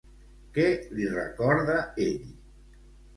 Què li recorda ell?